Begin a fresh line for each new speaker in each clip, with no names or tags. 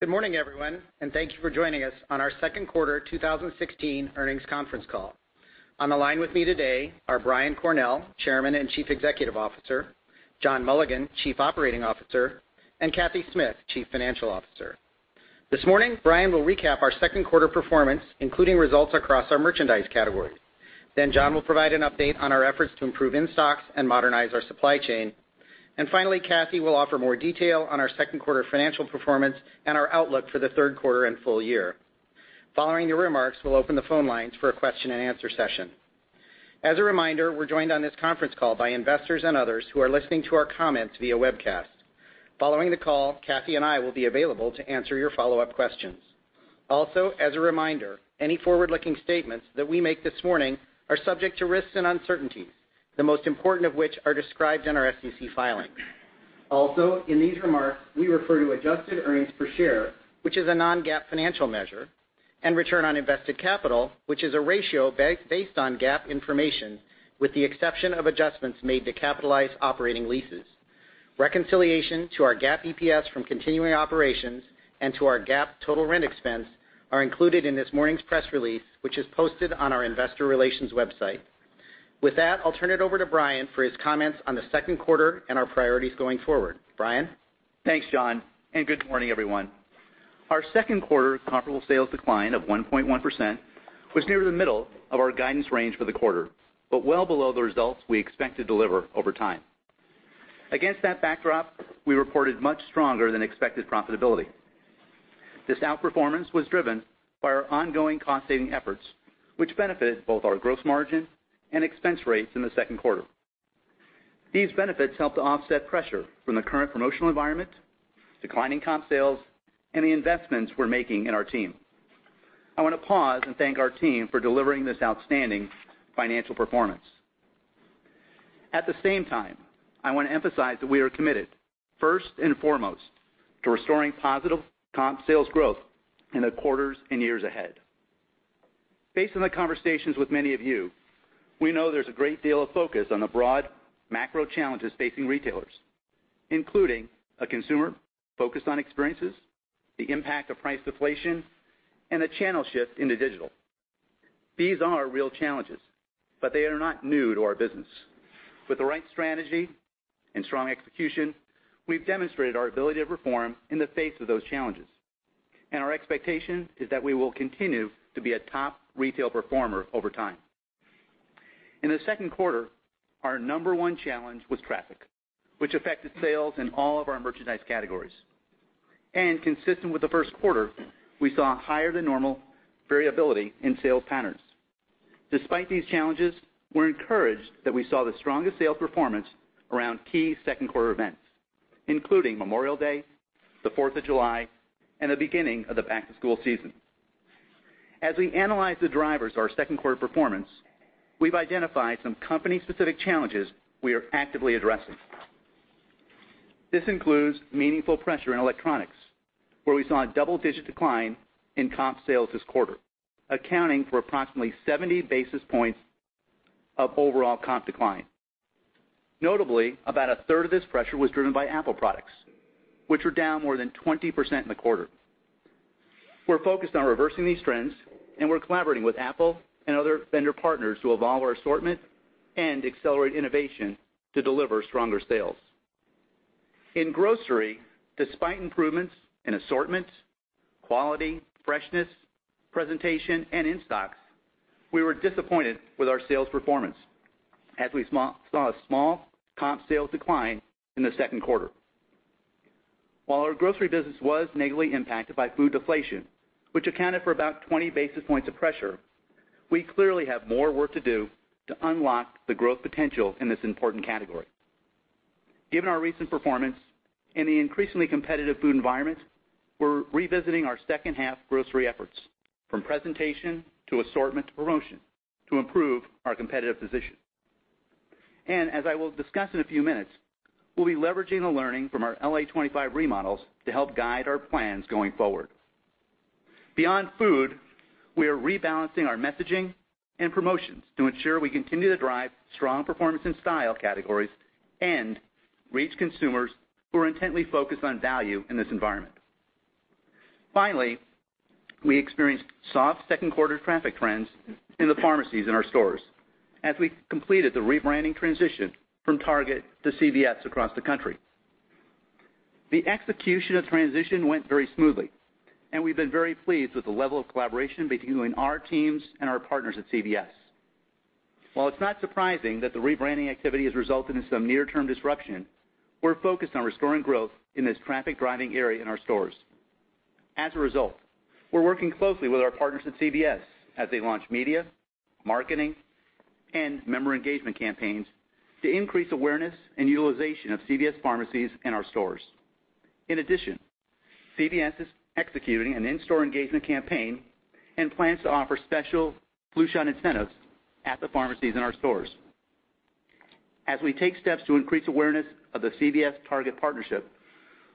Good morning, everyone, thank you for joining us on our second quarter 2016 earnings conference call. On the line with me today are Brian Cornell, Chairman and Chief Executive Officer, John Mulligan, Chief Operating Officer, and Cathy Smith, Chief Financial Officer. This morning, Brian will recap our second quarter performance, including results across our merchandise categories. John will provide an update on our efforts to improve in-stocks and modernize our supply chain. Finally, Cathy will offer more detail on our second quarter financial performance and our outlook for the third quarter and full year. Following your remarks, we'll open the phone lines for a question and answer session. As a reminder, we're joined on this conference call by investors and others who are listening to our comments via webcast. Following the call, Cathy and I will be available to answer your follow-up questions.
As a reminder, any forward-looking statements that we make this morning are subject to risks and uncertainties, the most important of which are described in our SEC filing. In these remarks, we refer to adjusted earnings per share, which is a non-GAAP financial measure, and return on invested capital, which is a ratio based on GAAP information, with the exception of adjustments made to capitalized operating leases. Reconciliation to our GAAP EPS from continuing operations and to our GAAP total rent expense are included in this morning's press release, which is posted on our investor relations website. With that, I'll turn it over to Brian for his comments on the second quarter and our priorities going forward. Brian?
Thanks, John, good morning, everyone. Our second quarter comparable sales decline of 1.1% was near the middle of our guidance range for the quarter, but well below the results we expect to deliver over time. Against that backdrop, we reported much stronger than expected profitability. This outperformance was driven by our ongoing cost-saving efforts, which benefited both our gross margin and expense rates in the second quarter. These benefits helped to offset pressure from the current promotional environment, declining comp sales, and the investments we're making in our team. I want to pause and thank our team for delivering this outstanding financial performance. At the same time, I want to emphasize that we are committed first and foremost to restoring positive comp sales growth in the quarters and years ahead. Based on the conversations with many of you, we know there's a great deal of focus on the broad macro challenges facing retailers, including a consumer focused on experiences, the impact of price deflation, and the channel shift into digital. These are real challenges, they are not new to our business. With the right strategy and strong execution, we've demonstrated our ability to perform in the face of those challenges. Our expectation is that we will continue to be a top retail performer over time. In the second quarter, our number 1 challenge was traffic, which affected sales in all of our merchandise categories. Consistent with the first quarter, we saw higher than normal variability in sales patterns. Despite these challenges, we're encouraged that we saw the strongest sales performance around key second quarter events, including Memorial Day, the Fourth of July, and the beginning of the back-to-school season. As we analyze the drivers of our second quarter performance, we've identified some company-specific challenges we are actively addressing. This includes meaningful pressure in electronics, where we saw a double-digit decline in comp sales this quarter, accounting for approximately 70 basis points of overall comp decline. Notably, about a third of this pressure was driven by Apple products, which were down more than 20% in the quarter. We're focused on reversing these trends, we're collaborating with Apple and other vendor partners to evolve our assortment and accelerate innovation to deliver stronger sales. In grocery, despite improvements in assortments, quality, freshness, presentation, and in-stocks, we were disappointed with our sales performance as we saw a small comp sales decline in the second quarter. While our grocery business was negatively impacted by food deflation, which accounted for about 20 basis points of pressure, we clearly have more work to do to unlock the growth potential in this important category. Given our recent performance and the increasingly competitive food environment, we're revisiting our second-half grocery efforts, from presentation to assortment to promotion, to improve our competitive position. As I will discuss in a few minutes, we'll be leveraging the learning from our LA25 remodels to help guide our plans going forward. Beyond food, we are rebalancing our messaging and promotions to ensure we continue to drive strong performance in style categories and reach consumers who are intently focused on value in this environment. Finally, we experienced soft second quarter traffic trends in the pharmacies in our stores as we completed the rebranding transition from Target to CVS across the country. The execution of transition went very smoothly, and we've been very pleased with the level of collaboration between our teams and our partners at CVS. While it's not surprising that the rebranding activity has resulted in some near-term disruption, we're focused on restoring growth in this traffic-driving area in our stores. As a result, we're working closely with our partners at CVS as they launch media, marketing, and member engagement campaigns to increase awareness and utilization of CVS pharmacies in our stores. In addition, CVS is executing an in-store engagement campaign and plans to offer special flu shot incentives at the pharmacies in our stores. As we take steps to increase awareness of the CVS-Target partnership,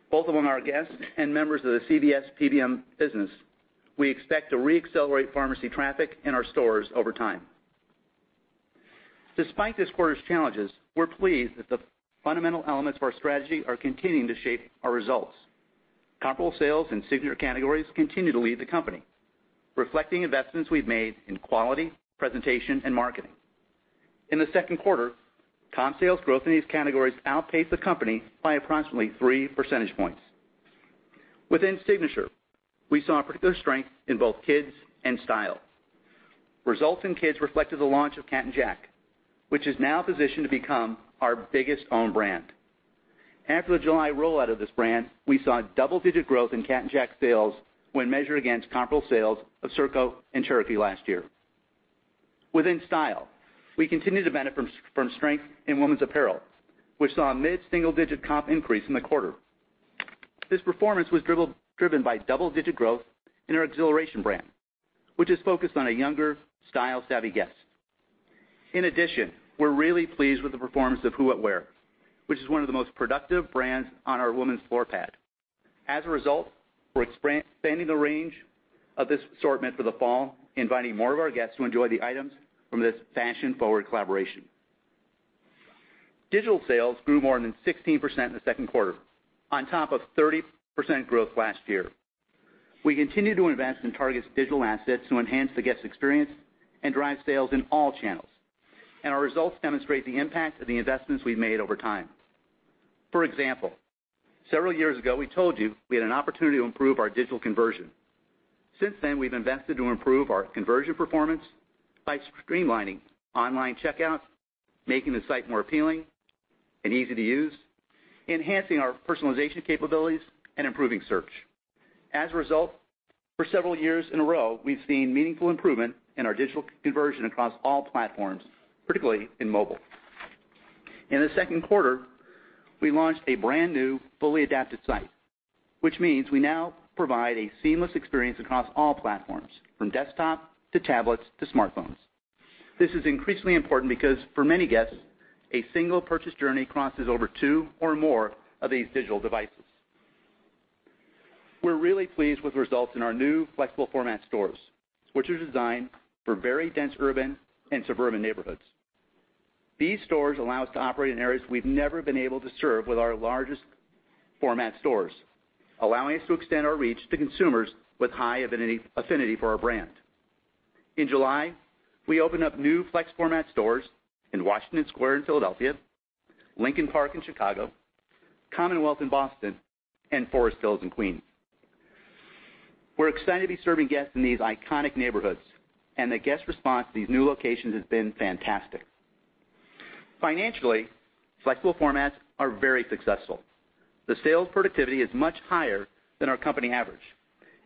both among our guests and members of the CVS PBM business, we expect to re-accelerate pharmacy traffic in our stores over time. Despite this quarter's challenges, we're pleased that the fundamental elements of our strategy are continuing to shape our results. Comparable sales and signature categories continue to lead the company, reflecting investments we've made in quality, presentation, and marketing. In the second quarter, comp sales growth in these categories outpaced the company by approximately three percentage points. Within signature, we saw particular strength in both kids and style. Results in kids reflected the launch of Cat & Jack, which is now positioned to become our biggest own brand. After the July rollout of this brand, we saw double-digit growth in Cat & Jack sales when measured against comparable sales of Circo and Cherokee last year. Within style, we continue to benefit from strength in women's apparel, which saw a mid-single-digit comp increase in the quarter. This performance was driven by double-digit growth in our Xhilaration brand, which is focused on a younger, style-savvy guest. In addition, we're really pleased with the performance of Who What Wear, which is one of the most productive brands on our women's floor pad. As a result, we're expanding the range of this assortment for the fall, inviting more of our guests to enjoy the items from this fashion-forward collaboration. Digital sales grew more than 16% in the second quarter, on top of 30% growth last year. We continue to invest in Target's digital assets to enhance the guest experience and drive sales in all channels. Our results demonstrate the impact of the investments we've made over time. For example, several years ago, we told you we had an opportunity to improve our digital conversion. Since then, we've invested to improve our conversion performance by streamlining online checkout, making the site more appealing and easy to use, enhancing our personalization capabilities, and improving search. As a result, for several years in a row, we've seen meaningful improvement in our digital conversion across all platforms, particularly in mobile. In the second quarter, we launched a brand-new, fully adapted site, which means we now provide a seamless experience across all platforms, from desktop to tablets to smartphones. This is increasingly important because, for many guests, a single purchase journey crosses over two or more of these digital devices. We're really pleased with results in our new flexible format stores, which are designed for very dense urban and suburban neighborhoods. These stores allow us to operate in areas we've never been able to serve with our largest format stores, allowing us to extend our reach to consumers with high affinity for our brand. In July, we opened up new flex format stores in Washington Square in Philadelphia, Lincoln Park in Chicago, Commonwealth in Boston, and Forest Hills in Queens. We're excited to be serving guests in these iconic neighborhoods, and the guest response to these new locations has been fantastic. Financially, flexible formats are very successful. The sales productivity is much higher than our company average,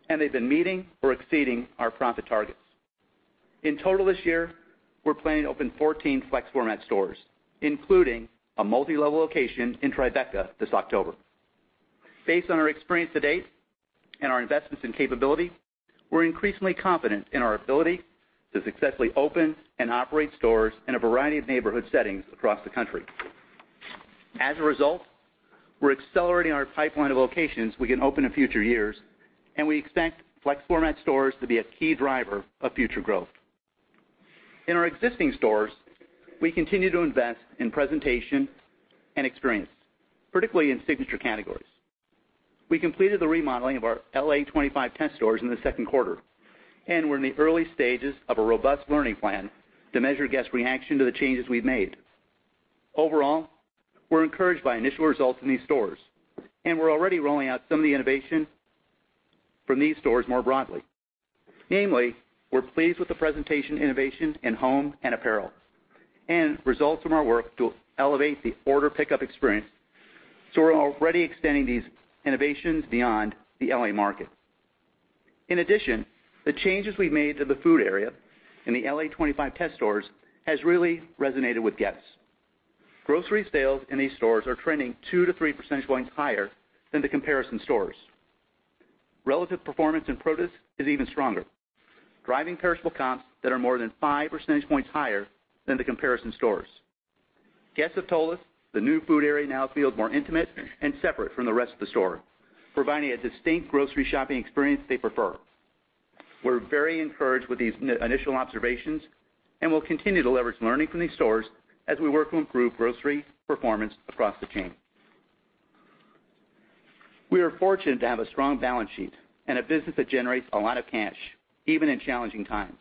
and they've been meeting or exceeding our profit targets. In total this year, we're planning to open 14 flex format stores, including a multi-level location in Tribeca this October. Based on our experience to date and our investments in capability, we're increasingly confident in our ability to successfully open and operate stores in a variety of neighborhood settings across the country. As a result, we're accelerating our pipeline of locations we can open in future years, and we expect flex format stores to be a key driver of future growth. In our existing stores, we continue to invest in presentation and experience, particularly in signature categories. We completed the remodeling of our LA25 test stores in the second quarter, and we're in the early stages of a robust learning plan to measure guest reaction to the changes we've made. Overall, we're encouraged by initial results in these stores, and we're already rolling out some of the innovation from these stores more broadly. We're pleased with the presentation innovation in home and apparel and results from our work to elevate the order pickup experience. We're already extending these innovations beyond the L.A. market. In addition, the changes we've made to the food area in the LA25 test stores has really resonated with guests. Grocery sales in these stores are trending 2 to 3 percentage points higher than the comparison stores. Relative performance in produce is even stronger, driving perishable comps that are more than 5 percentage points higher than the comparison stores. Guests have told us the new food area now feels more intimate and separate from the rest of the store, providing a distinct grocery shopping experience they prefer. We're very encouraged with these initial observations and will continue to leverage learning from these stores as we work to improve grocery performance across the chain. We are fortunate to have a strong balance sheet and a business that generates a lot of cash, even in challenging times.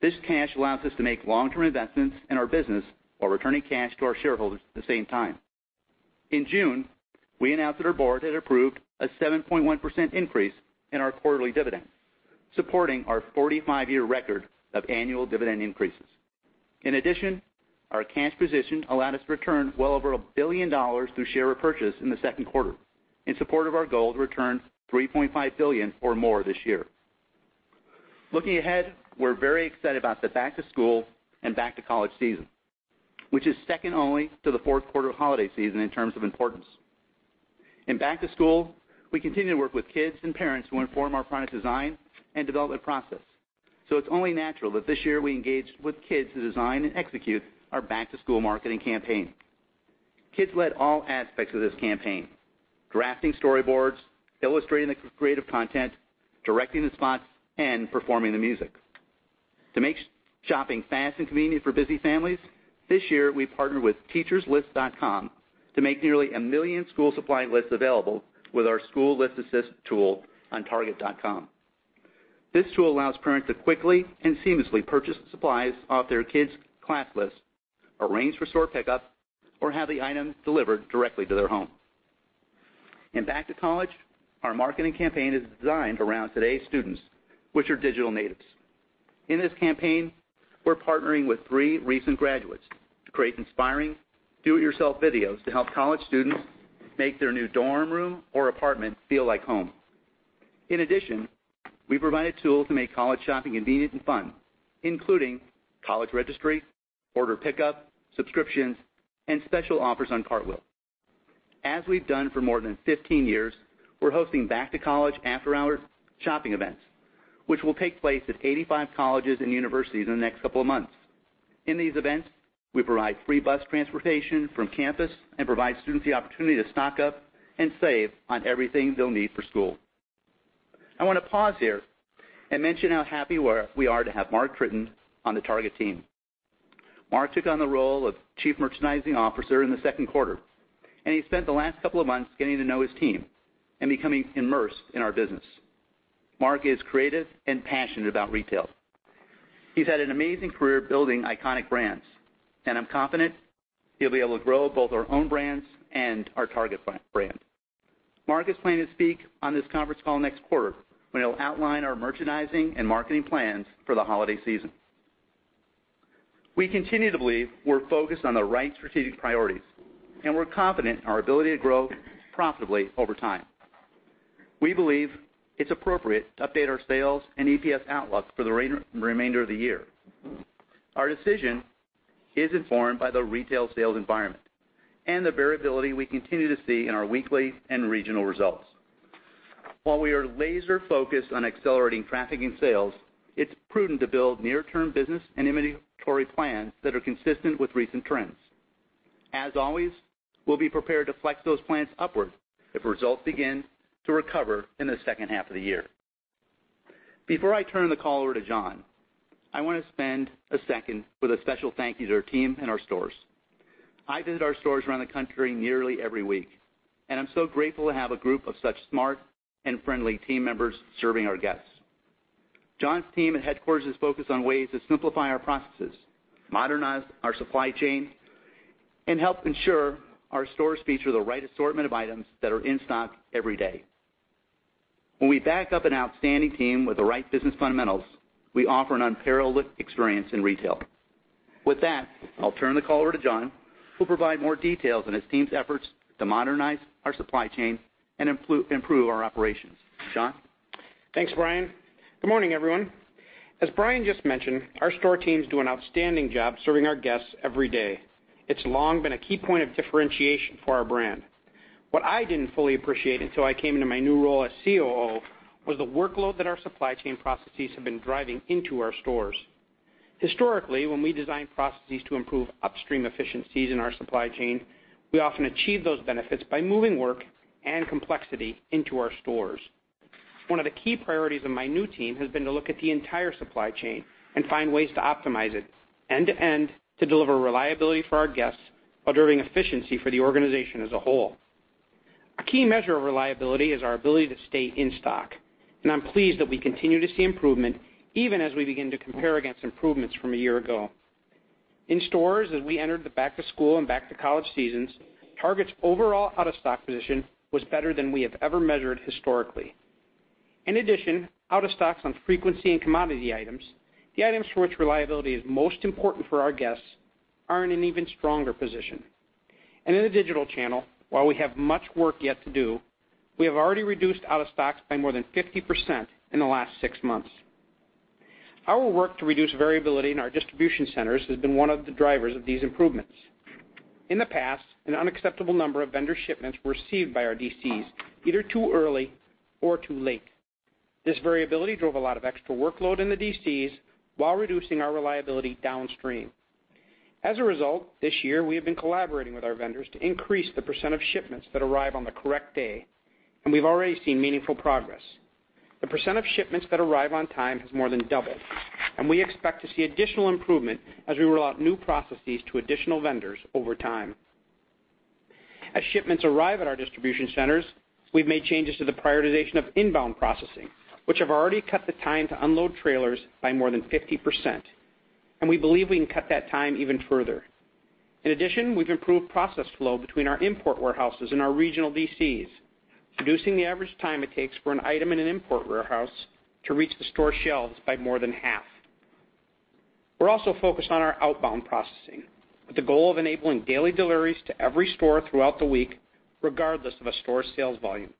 This cash allows us to make long-term investments in our business while returning cash to our shareholders at the same time. In June, we announced that our board had approved a 7.1% increase in our quarterly dividend, supporting our 45-year record of annual dividend increases. In addition, our cash position allowed us to return well over $1 billion through share repurchase in the second quarter in support of our goal to return $3.5 billion or more this year. Looking ahead, we're very excited about the Back-to-School and Back-to-College season, which is second only to the fourth-quarter holiday season in terms of importance. In Back-to-School, we continue to work with kids and parents who inform our product design and development process. It's only natural that this year we engaged with kids to design and execute our Back-to-School marketing campaign. Kids led all aspects of this campaign, drafting storyboards, illustrating the creative content, directing the spots, and performing the music. To make shopping fast and convenient for busy families, this year, we partnered with TeacherLists.com to make nearly 1 million school supply lists available with our School List Assist tool on target.com. This tool allows parents to quickly and seamlessly purchase supplies off their kids' class lists, arrange for store pickup, or have the items delivered directly to their home. In Back-to-College, our marketing campaign is designed around today's students, which are digital natives. In this campaign, we're partnering with three recent graduates to create inspiring do-it-yourself videos to help college students make their new dorm room or apartment feel like home. In addition, we provided tools to make college shopping convenient and fun, including college registry, order pickup, subscriptions, and special offers on Cartwheel. As we've done for more than 15 years, we're hosting Back-to-College after-hour shopping events, which will take place at 85 colleges and universities in the next couple of months. In these events, we provide free bus transportation from campus and provide students the opportunity to stock up and save on everything they'll need for school. I want to pause here and mention how happy we are to have Mark Tritton on the Target team. Mark took on the role of Chief Merchandising Officer in the second quarter, and he spent the last couple of months getting to know his team and becoming immersed in our business. Mark is creative and passionate about retail. He's had an amazing career building iconic brands, and I'm confident he'll be able to grow both our own brands and our Target brand. Mark is planning to speak on this conference call next quarter, when he'll outline our merchandising and marketing plans for the holiday season. We continue to believe we're focused on the right strategic priorities, and we're confident in our ability to grow profitably over time. We believe it's appropriate to update our sales and EPS outlook for the remainder of the year. Our decision is informed by the retail sales environment and the variability we continue to see in our weekly and regional results. While we are laser-focused on accelerating traffic and sales, it's prudent to build near-term business and inventory plans that are consistent with recent trends. As always, we'll be prepared to flex those plans upward if results begin to recover in the second half of the year. Before I turn the call over to John, I want to spend a second with a special thank you to our team and our stores. I visit our stores around the country nearly every week, and I'm so grateful to have a group of such smart and friendly team members serving our guests. John's team at headquarters is focused on ways to simplify our processes, modernize our supply chain, and help ensure our stores feature the right assortment of items that are in stock every day. When we back up an outstanding team with the right business fundamentals, we offer an unparalleled experience in retail. With that, I'll turn the call over to John, who'll provide more details on his team's efforts to modernize our supply chain and improve our operations. John?
Thanks, Brian. Good morning, everyone. As Brian just mentioned, our store teams do an outstanding job serving our guests every day. It's long been a key point of differentiation for our brand. What I didn't fully appreciate until I came into my new role as COO was the workload that our supply chain processes have been driving into our stores. Historically, when we design processes to improve upstream efficiencies in our supply chain, we often achieve those benefits by moving work and complexity into our stores. One of the key priorities of my new team has been to look at the entire supply chain and find ways to optimize it end to end to deliver reliability for our guests while driving efficiency for the organization as a whole. A key measure of reliability is our ability to stay in stock, I'm pleased that we continue to see improvement even as we begin to compare against improvements from a year ago. In stores, as we entered the back to school and back to college seasons, Target's overall out-of-stock position was better than we have ever measured historically. In addition, out of stocks on frequency and commodity items, the items for which reliability is most important for our guests, are in an even stronger position. In the digital channel, while we have much work yet to do, we have already reduced out of stocks by more than 50% in the last six months. Our work to reduce variability in our distribution centers has been one of the drivers of these improvements. In the past, an unacceptable number of vendor shipments were received by our DCs either too early or too late. This variability drove a lot of extra workload in the DCs while reducing our reliability downstream. As a result, this year, we have been collaborating with our vendors to increase the percent of shipments that arrive on the correct day. We've already seen meaningful progress. The percent of shipments that arrive on time has more than doubled, and we expect to see additional improvement as we roll out new processes to additional vendors over time. As shipments arrive at our distribution centers, we've made changes to the prioritization of inbound processing, which have already cut the time to unload trailers by more than 50%, and we believe we can cut that time even further. In addition, we've improved process flow between our import warehouses and our regional DCs, reducing the average time it takes for an item in an import warehouse to reach the store shelves by more than half. We're also focused on our outbound processing with the goal of enabling daily deliveries to every store throughout the week, regardless of a store's sales volume.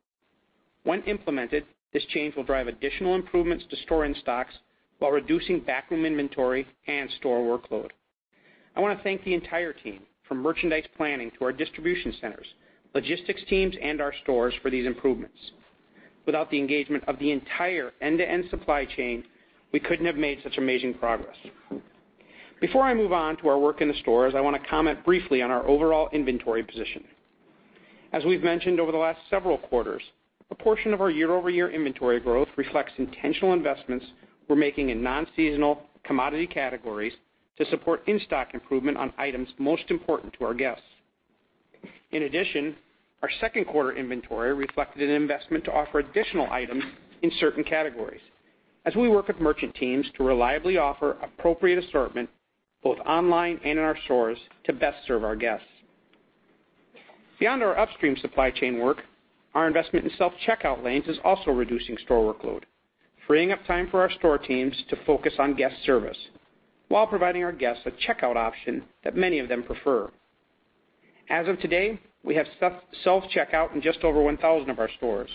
When implemented, this change will drive additional improvements to store in-stocks while reducing backroom inventory and store workload. I want to thank the entire team, from merchandise planning to our distribution centers, logistics teams, and our stores for these improvements. Without the engagement of the entire end-to-end supply chain, we couldn't have made such amazing progress. Before I move on to our work in the stores, I want to comment briefly on our overall inventory position. As we've mentioned over the last several quarters, a portion of our year-over-year inventory growth reflects intentional investments we're making in non-seasonal commodity categories to support in-stock improvement on items most important to our guests. In addition, our second quarter inventory reflected an investment to offer additional items in certain categories as we work with merchant teams to reliably offer appropriate assortment both online and in our stores to best serve our guests. Beyond our upstream supply chain work, our investment in self-checkout lanes is also reducing store workload, freeing up time for our store teams to focus on guest service while providing our guests a checkout option that many of them prefer. As of today, we have self-checkout in just over 1,000 of our stores.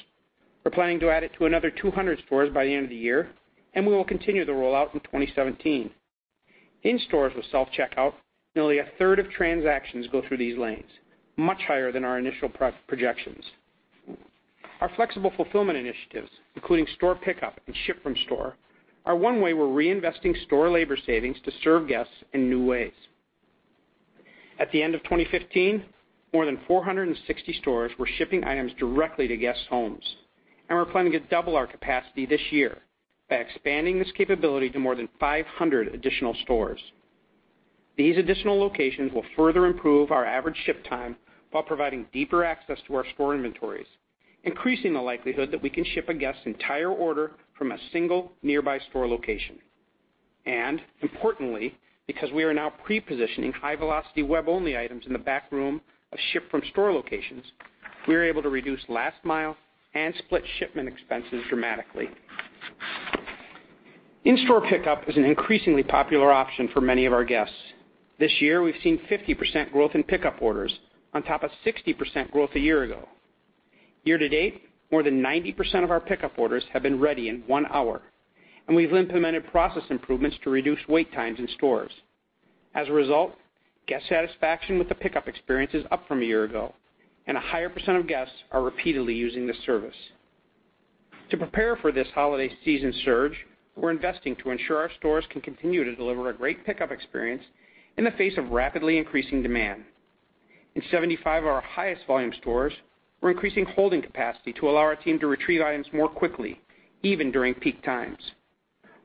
We're planning to add it to another 200 stores by the end of the year. We will continue the rollout in 2017. In stores with self-checkout, nearly a third of transactions go through these lanes, much higher than our initial projections. Our flexible fulfillment initiatives, including store pickup and ship from store, are one way we're reinvesting store labor savings to serve guests in new ways. At the end of 2015, more than 460 stores were shipping items directly to guests' homes, and we're planning to double our capacity this year by expanding this capability to more than 500 additional stores. These additional locations will further improve our average ship time while providing deeper access to our store inventories, increasing the likelihood that we can ship a guest's entire order from a single nearby store location. Importantly, because we are now pre-positioning high-velocity, web-only items in the backroom of ship from store locations, we are able to reduce last mile and split shipment expenses dramatically. In-store pickup is an increasingly popular option for many of our guests. This year, we've seen 50% growth in pickup orders on top of 60% growth a year ago. Year-to-date, more than 90% of our pickup orders have been ready in one hour, and we've implemented process improvements to reduce wait times in stores. As a result, guest satisfaction with the pickup experience is up from a year ago, and a higher percent of guests are repeatedly using this service. To prepare for this holiday season surge, we're investing to ensure our stores can continue to deliver a great pickup experience in the face of rapidly increasing demand. In 75 of our highest volume stores, we're increasing holding capacity to allow our team to retrieve items more quickly, even during peak times.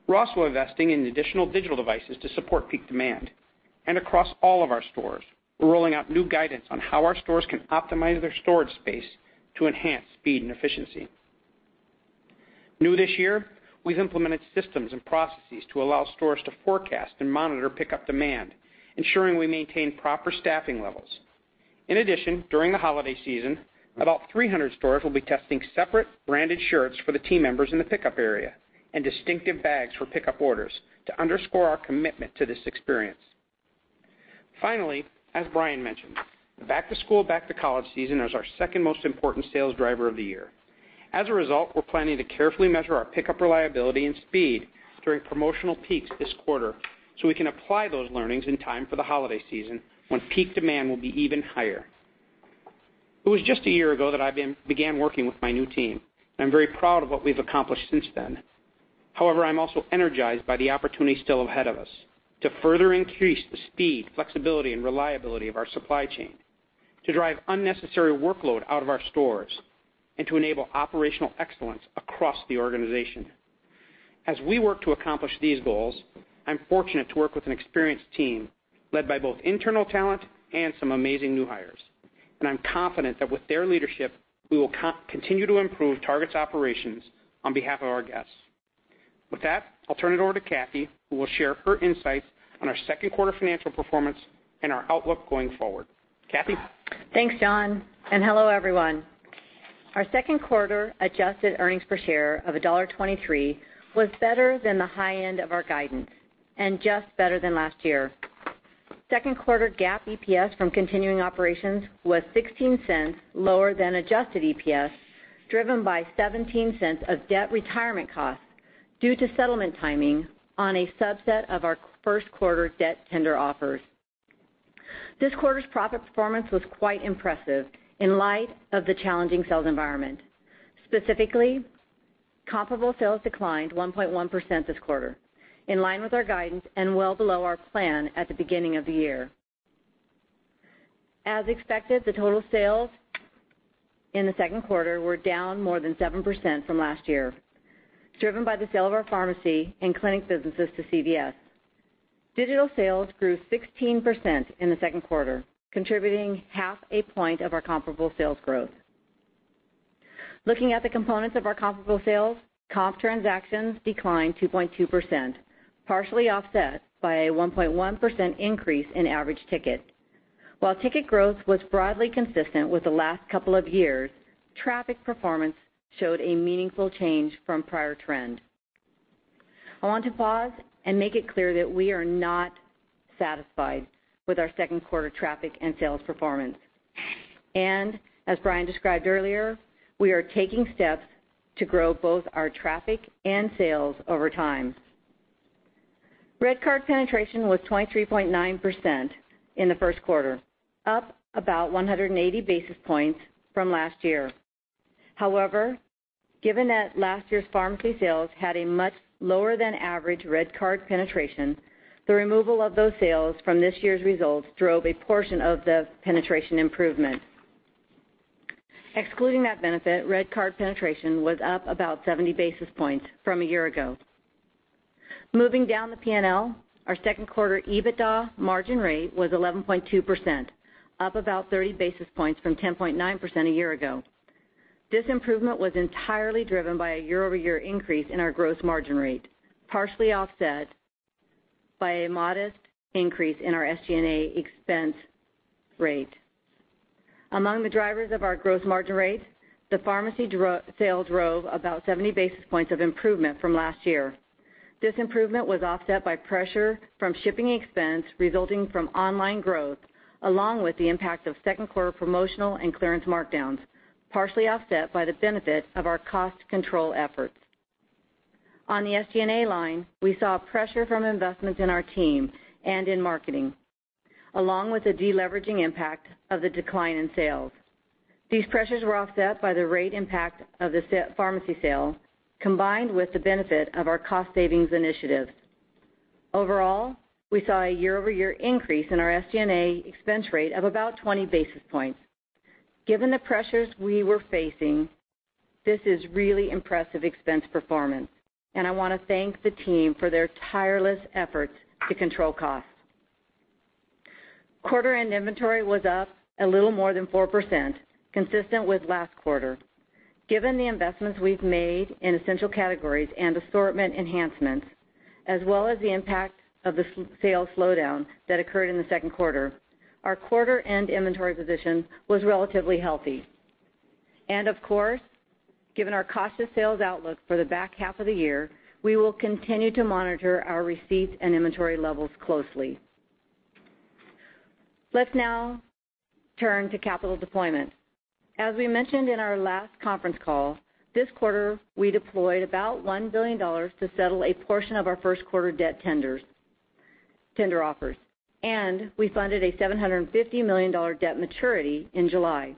We're also investing in additional digital devices to support peak demand. Across all of our stores, we're rolling out new guidance on how our stores can optimize their storage space to enhance speed and efficiency. New this year, we've implemented systems and processes to allow stores to forecast and monitor pickup demand, ensuring we maintain proper staffing levels. In addition, during the holiday season, about 300 stores will be testing separate branded shirts for the team members in the pickup area and distinctive bags for pickup orders to underscore our commitment to this experience. Finally, as Brian mentioned, the Back-to-School, Back-to-College season is our second most important sales driver of the year. As a result, we're planning to carefully measure our pickup reliability and speed during promotional peaks this quarter so we can apply those learnings in time for the holiday season, when peak demand will be even higher. It was just a year ago that I began working with my new team. I'm very proud of what we've accomplished since then. However, I'm also energized by the opportunity still ahead of us to further increase the speed, flexibility, and reliability of our supply chain, to drive unnecessary workload out of our stores, and to enable operational excellence across the organization. As we work to accomplish these goals, I'm fortunate to work with an experienced team led by both internal talent and some amazing new hires. I'm confident that with their leadership, we will continue to improve Target's operations on behalf of our guests. With that, I'll turn it over to Cathy, who will share her insights on our second quarter financial performance and our outlook going forward. Cathy?
Thanks, John, and hello, everyone. Our second quarter-adjusted earnings per share of $1.23 was better than the high end of our guidance and just better than last year. Second quarter GAAP EPS from continuing operations was $0.16 lower than adjusted EPS, driven by $0.17 of debt retirement costs due to settlement timing on a subset of our first quarter debt tender offers. This quarter's profit performance was quite impressive in light of the challenging sales environment. Specifically, comparable sales declined 1.1% this quarter, in line with our guidance and well below our plan at the beginning of the year. As expected, the total sales in the second quarter were down more than 7% from last year, driven by the sale of our pharmacy and clinic businesses to CVS. Digital sales grew 16% in the second quarter, contributing half a point of our comparable sales growth. Looking at the components of our comparable sales, comp transactions declined 2.2%, partially offset by a 1.1% increase in average ticket. While ticket growth was broadly consistent with the last couple of years, traffic performance showed a meaningful change from prior trend. I want to pause and make it clear that we are not satisfied with our second quarter traffic and sales performance. As Brian described earlier, we are taking steps to grow both our traffic and sales over time. REDcard penetration was 23.9% in the first quarter, up about 180 basis points from last year. However, given that last year's pharmacy sales had a much lower than average REDcard penetration, the removal of those sales from this year's results drove a portion of the penetration improvement. Excluding that benefit, REDcard penetration was up about 70 basis points from a year ago. Moving down the P&L, our second quarter EBITDA margin rate was 11.2%, up about 30 basis points from 10.9% a year ago. This improvement was entirely driven by a year-over-year increase in our gross margin rate, partially offset by a modest increase in our SG&A expense rate. Among the drivers of our gross margin rate, the pharmacy sales drove about 70 basis points of improvement from last year. This improvement was offset by pressure from shipping expense resulting from online growth, along with the impact of second quarter promotional and clearance markdowns, partially offset by the benefit of our cost control efforts. On the SG&A line, we saw pressure from investments in our team and in marketing, along with the deleveraging impact of the decline in sales. These pressures were offset by the rate impact of the pharmacy sale, combined with the benefit of our cost savings initiatives. Overall, we saw a year-over-year increase in our SG&A expense rate of about 20 basis points. Given the pressures we were facing, this is really impressive expense performance, and I want to thank the team for their tireless efforts to control costs. Quarter end inventory was up a little more than 4%, consistent with last quarter. Given the investments we've made in essential categories and assortment enhancements, as well as the impact of the sales slowdown that occurred in the second quarter, our quarter-end inventory position was relatively healthy. Of course, given our cautious sales outlook for the back half of the year, we will continue to monitor our receipts and inventory levels closely. Let's now turn to capital deployment. As we mentioned in our last conference call, this quarter, we deployed about $1 billion to settle a portion of our first quarter debt tender offers, and we funded a $750 million debt maturity in July.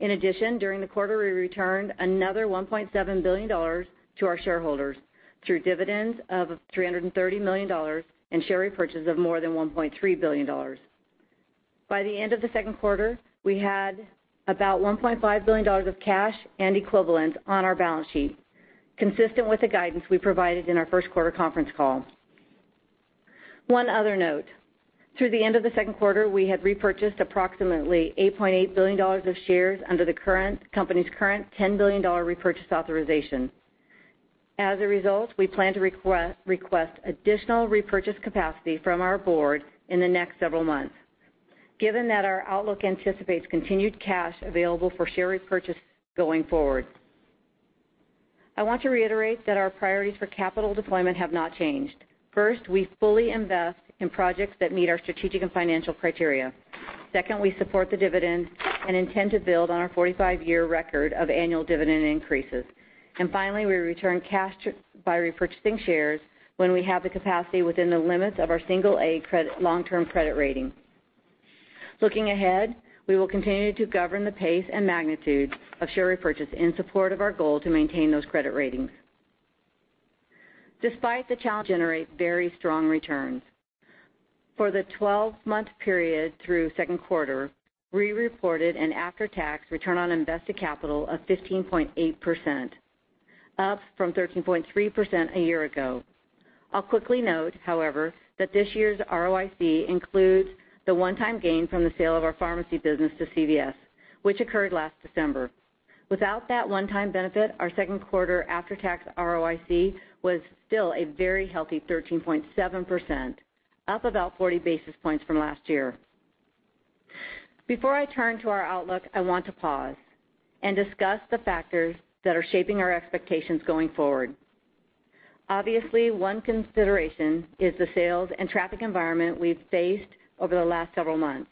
In addition, during the quarter, we returned another $1.7 billion to our shareholders through dividends of $330 million and share repurchases of more than $1.3 billion. By the end of the second quarter, we had about $1.5 billion of cash and equivalents on our balance sheet, consistent with the guidance we provided in our first quarter conference call. One other note. Through the end of the second quarter, we had repurchased approximately $8.8 billion of shares under the company's current $10 billion repurchase authorization. As a result, we plan to request additional repurchase capacity from our board in the next several months, given that our outlook anticipates continued cash available for share repurchase going forward. I want to reiterate that our priorities for capital deployment have not changed. First, we fully invest in projects that meet our strategic and financial criteria. Second, we support the dividend and intend to build on our 45-year record of annual dividend increases. Finally, we return cash by repurchasing shares when we have the capacity within the limits of our single A long-term credit rating. Looking ahead, we will continue to govern the pace and magnitude of share repurchase in support of our goal to maintain those credit ratings. We generate very strong returns. For the 12-month period through second quarter, we reported an after-tax return on invested capital of 15.8%, up from 13.3% a year ago. I'll quickly note, however, that this year's ROIC includes the one-time gain from the sale of our pharmacy business to CVS, which occurred last December. Without that one-time benefit, our second quarter after-tax ROIC was still a very healthy 13.7%, up about 40 basis points from last year. Before I turn to our outlook, I want to pause and discuss the factors that are shaping our expectations going forward. Obviously, one consideration is the sales and traffic environment we've faced over the last several months,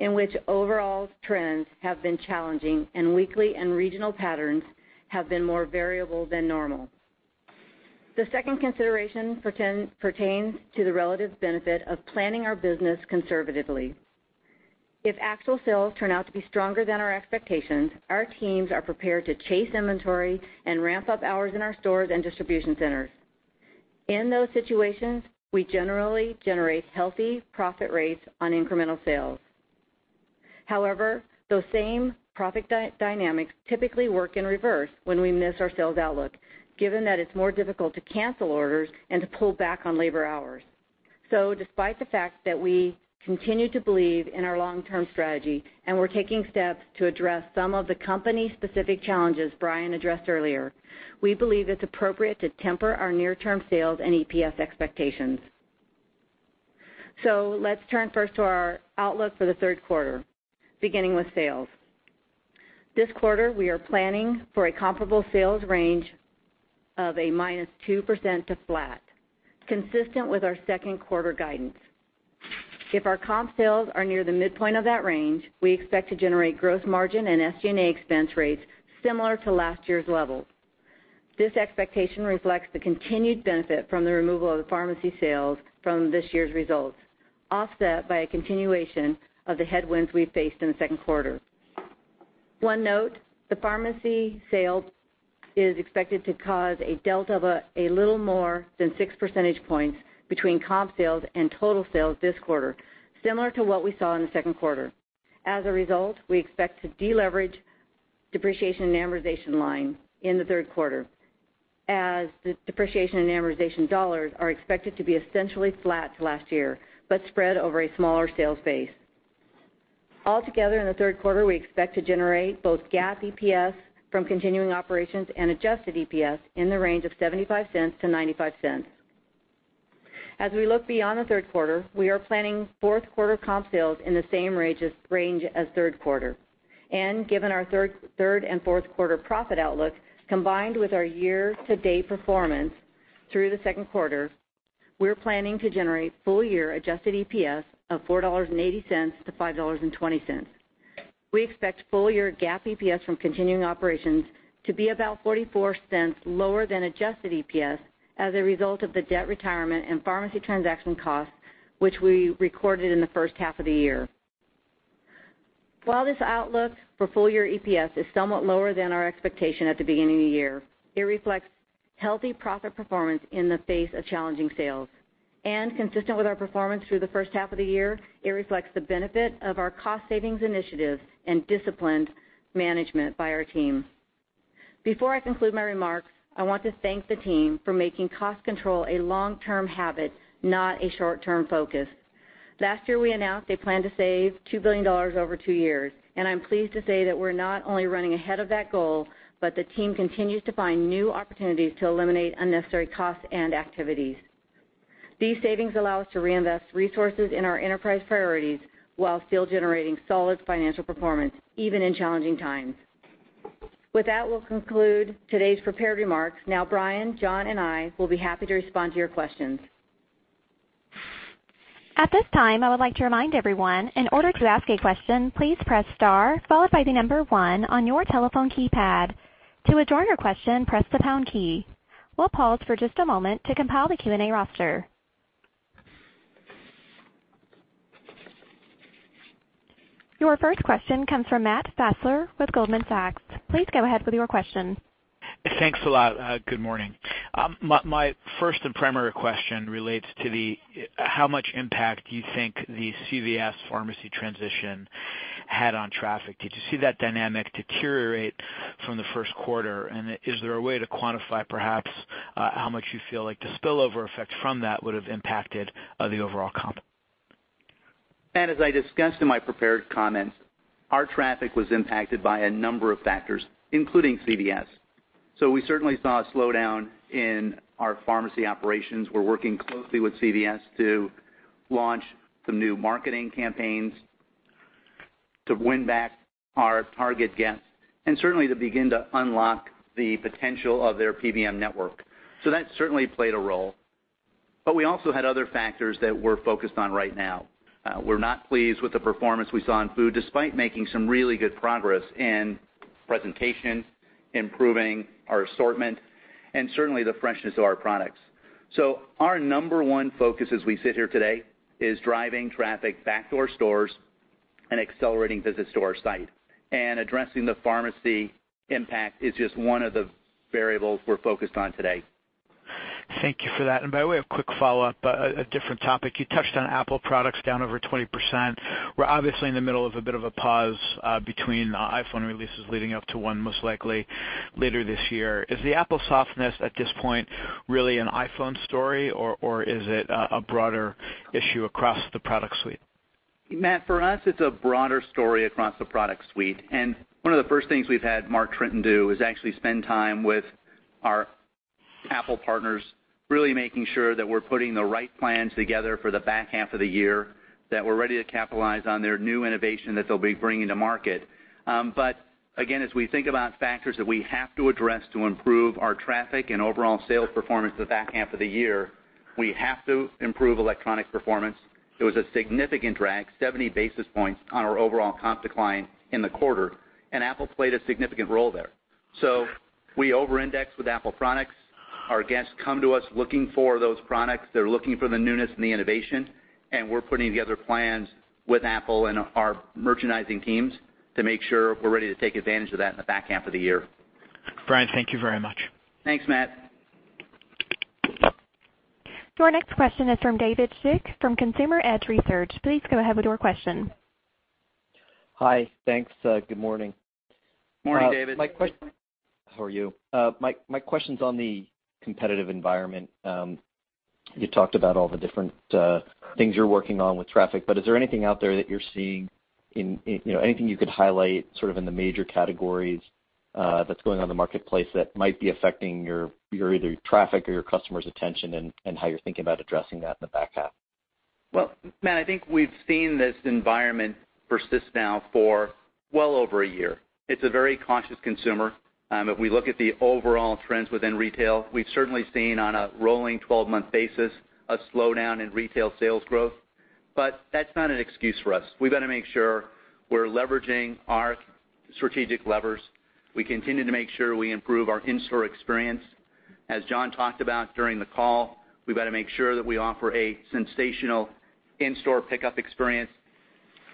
in which overall trends have been challenging and weekly and regional patterns have been more variable than normal. The second consideration pertains to the relative benefit of planning our business conservatively. If actual sales turn out to be stronger than our expectations, our teams are prepared to chase inventory and ramp up hours in our stores and distribution centers. In those situations, we generally generate healthy profit rates on incremental sales. However, those same profit dynamics typically work in reverse when we miss our sales outlook, given that it's more difficult to cancel orders and to pull back on labor hours. Despite the fact that we continue to believe in our long-term strategy and we're taking steps to address some of the company-specific challenges Brian addressed earlier, we believe it's appropriate to temper our near-term sales and EPS expectations. Let's turn first to our outlook for the third quarter, beginning with sales. This quarter, we are planning for a comparable sales range of a -2% to flat, consistent with our second quarter guidance. If our comp sales are near the midpoint of that range, we expect to generate gross margin and SG&A expense rates similar to last year's levels. This expectation reflects the continued benefit from the removal of the pharmacy sales from this year's results, offset by a continuation of the headwinds we faced in the second quarter. One note, the pharmacy sale is expected to cause a delta of a little more than six percentage points between comp sales and total sales this quarter, similar to what we saw in the second quarter. As a result, we expect to deleverage depreciation and amortization line in the third quarter, as the depreciation and amortization dollars are expected to be essentially flat to last year, but spread over a smaller sales base. Altogether, in the third quarter, we expect to generate both GAAP EPS from continuing operations and adjusted EPS in the range of $0.75 to $0.95. As we look beyond the third quarter, we are planning fourth quarter comp sales in the same range as third quarter. Given our third and fourth quarter profit outlook, combined with our year-to-date performance through the second quarter, we're planning to generate full-year adjusted EPS of $4.80 to $5.20. We expect full-year GAAP EPS from continuing operations to be about $0.44 lower than adjusted EPS as a result of the debt retirement and pharmacy transaction costs, which we recorded in the first half of the year. While this outlook for full-year EPS is somewhat lower than our expectation at the beginning of the year, it reflects healthy profit performance in the face of challenging sales. Consistent with our performance through the first half of the year, it reflects the benefit of our cost savings initiatives and disciplined management by our team. Before I conclude my remarks, I want to thank the team for making cost control a long-term habit, not a short-term focus. Last year, we announced a plan to save $2 billion over two years, and I'm pleased to say that we're not only running ahead of that goal, but the team continues to find new opportunities to eliminate unnecessary costs and activities. These savings allow us to reinvest resources in our enterprise priorities while still generating solid financial performance, even in challenging times. With that, we'll conclude today's prepared remarks. Now, Brian, John, and I will be happy to respond to your questions.
At this time, I would like to remind everyone, in order to ask a question, please press star followed by the number one on your telephone keypad. To withdraw your question, press the pound key. We'll pause for just a moment to compile the Q&A roster. Your first question comes from Matt Fassler with Goldman Sachs. Please go ahead with your question.
Thanks a lot. Good morning. My first and primary question relates to how much impact you think the CVS pharmacy transition had on traffic. Did you see that dynamic deteriorate from the first quarter? Is there a way to quantify perhaps how much you feel like the spillover effect from that would have impacted the overall comp?
Matt, as I discussed in my prepared comments, our traffic was impacted by a number of factors, including CVS. We certainly saw a slowdown in our pharmacy operations. We're working closely with CVS to launch some new marketing campaigns to win back our Target guests and certainly to begin to unlock the potential of their PBM network. That certainly played a role. We also had other factors that we're focused on right now. We're not pleased with the performance we saw in food, despite making some really good progress in presentation, improving our assortment, and certainly the freshness of our products. Our number one focus as we sit here today is driving traffic back to our stores and accelerating visits to our site. Addressing the pharmacy impact is just one of the variables we're focused on today.
Thank you for that. By the way, a quick follow-up, a different topic. You touched on Apple products down over 20%. We're obviously in the middle of a bit of a pause between iPhone releases leading up to one most likely later this year. Is the Apple softness at this point really an iPhone story, or is it a broader issue across the product suite?
Matt, for us, it's a broader story across the product suite. One of the first things we've had Mark Tritton do is actually spend time with our Apple partners, really making sure that we're putting the right plans together for the back half of the year, that we're ready to capitalize on their new innovation that they'll be bringing to market. Again, as we think about factors that we have to address to improve our traffic and overall sales performance the back half of the year, we have to improve electronic performance. It was a significant drag, 70 basis points on our overall comp decline in the quarter, and Apple played a significant role there. We over-index with Apple products. Our guests come to us looking for those products. They're looking for the newness and the innovation, and we're putting together plans with Apple and our merchandising teams to make sure we're ready to take advantage of that in the back half of the year.
Brian, thank you very much.
Thanks, Matt.
Your next question is from David Schick from Consumer Edge Research. Please go ahead with your question.
Hi. Thanks. Good morning.
Morning, David.
How are you? My question's on the competitive environment. You talked about all the different things you're working on with traffic, is there anything out there that you're seeing, anything you could highlight sort of in the major categories that's going on in the marketplace that might be affecting your either traffic or your customers' attention and how you're thinking about addressing that in the back half?
Well, Matt, I think we've seen this environment persist now for Well over a year. It's a very cautious consumer. If we look at the overall trends within retail, we've certainly seen on a rolling 12-month basis, a slowdown in retail sales growth. That's not an excuse for us. We've got to make sure we're leveraging our strategic levers. We continue to make sure we improve our in-store experience. As John talked about during the call, we've got to make sure that we offer a sensational in-store pickup experience,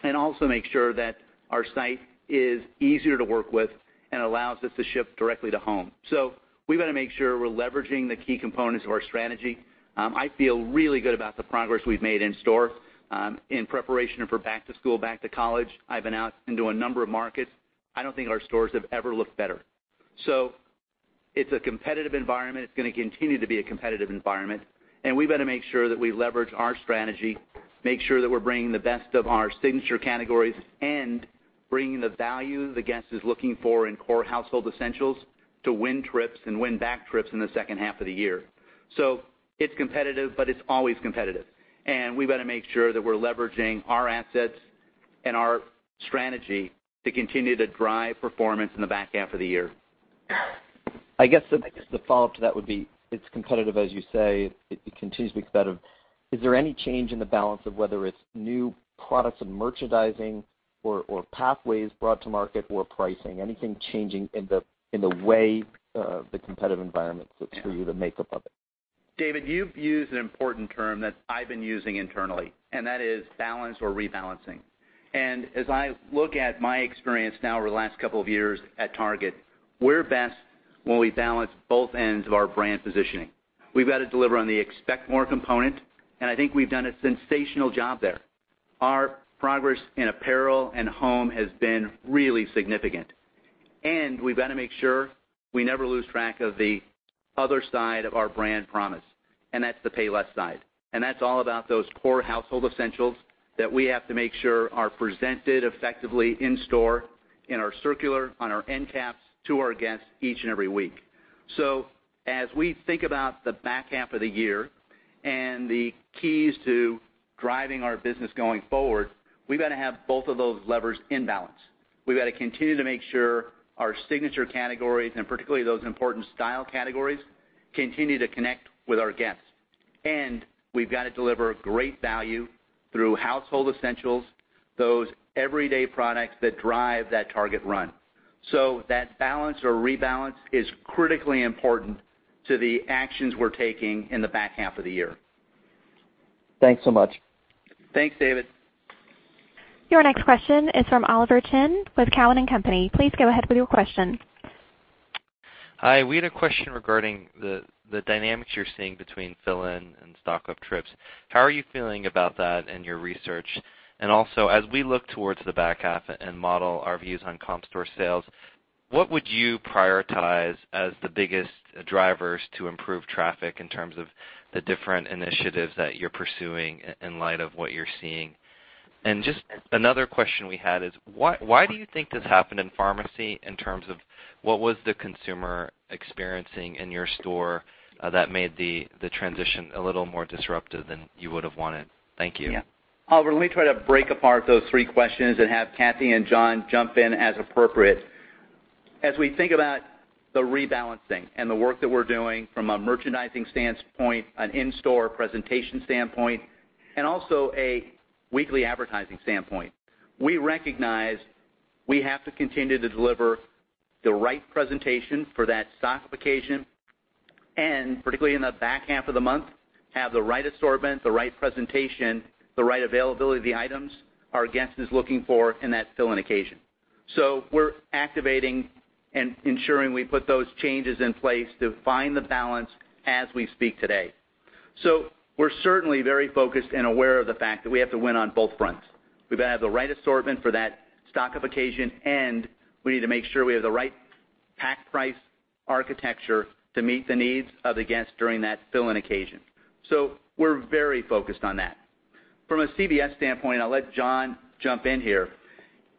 and also make sure that our site is easier to work with and allows us to ship directly to home. We've got to make sure we're leveraging the key components of our strategy. I feel really good about the progress we've made in store. In preparation for back to school, back to college, I've been out into a number of markets. I don't think our stores have ever looked better. It's a competitive environment. It's going to continue to be a competitive environment, we've got to make sure that we leverage our strategy, make sure that we're bringing the best of our signature categories and bringing the value the guest is looking for in core household essentials to win trips and win back trips in the second half of the year. It's competitive, but it's always competitive, and we've got to make sure that we're leveraging our assets and our strategy to continue to drive performance in the back half of the year.
I guess the follow-up to that would be, it's competitive, as you say, it continues to be competitive. Is there any change in the balance of whether it's new products and merchandising or pathways brought to market or pricing? Anything changing in the way the competitive environment looks for you, the makeup of it?
David, you've used an important term that I've been using internally, and that is balance or rebalancing. As I look at my experience now over the last couple of years at Target, we're best when we balance both ends of our brand positioning. We've got to deliver on the Expect More component, I think we've done a sensational job there. Our progress in apparel and home has been really significant. We've got to make sure we never lose track of the other side of our brand promise, and that's the Pay Less side. That's all about those core household essentials that we have to make sure are presented effectively in store, in our circular, on our end caps to our guests each and every week. As we think about the back half of the year and the keys to driving our business going forward, we've got to have both of those levers in balance. We've got to continue to make sure our signature categories, and particularly those important style categories, continue to connect with our guests. We've got to deliver great value through household essentials, those everyday products that drive that Target run. That balance or rebalance is critically important to the actions we're taking in the back half of the year.
Thanks so much.
Thanks, David.
Your next question is from Oliver Chen with Cowen and Company. Please go ahead with your question.
Hi. We had a question regarding the dynamics you're seeing between fill-in and stock-up trips. How are you feeling about that in your research? As we look towards the back half and model our views on comp store sales, what would you prioritize as the biggest drivers to improve traffic in terms of the different initiatives that you're pursuing in light of what you're seeing? Another question we had is, why do you think this happened in pharmacy in terms of what was the consumer experiencing in your store that made the transition a little more disruptive than you would have wanted? Thank you.
Yeah. Oliver, let me try to break apart those three questions and have Cathy and John jump in as appropriate. As we think about the rebalancing and the work that we're doing from a merchandising standpoint, an in-store presentation standpoint, and also a weekly advertising standpoint, we recognize we have to continue to deliver the right presentation for that stock-up occasion, and particularly in the back half of the month, have the right assortment, the right presentation, the right availability of the items our guest is looking for in that fill-in occasion. We're activating and ensuring we put those changes in place to find the balance as we speak today. We're certainly very focused and aware of the fact that we have to win on both fronts. We've got to have the right assortment for that stock-up occasion, and we need to make sure we have the right pack price architecture to meet the needs of the guests during that fill-in occasion. We're very focused on that. From a CVS standpoint, I'll let John jump in here.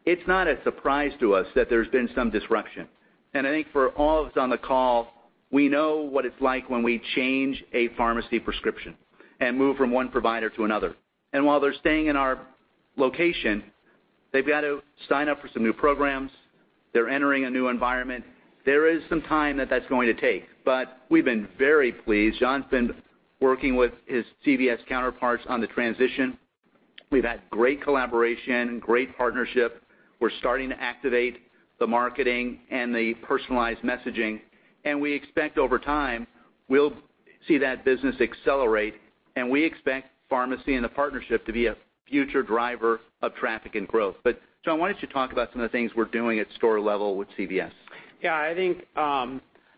It's not a surprise to us that there's been some disruption. I think for all of us on the call, we know what it's like when we change a pharmacy prescription and move from one provider to another. While they're staying in our location, they've got to sign up for some new programs. They're entering a new environment. There is some time that that's going to take, but we've been very pleased. John's been working with his CVS counterparts on the transition. We've had great collaboration, great partnership. We're starting to activate the marketing and the personalized messaging. We expect over time, we'll see that business accelerate. We expect pharmacy and the partnership to be a future driver of traffic and growth. John, why don't you talk about some of the things we're doing at store level with CVS?
Yeah, I think,